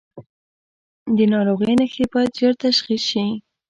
د ناروغۍ نښې باید ژر تشخیص شي.